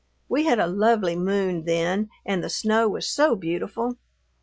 We had a lovely moon then and the snow was so beautiful!